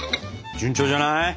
順調じゃない？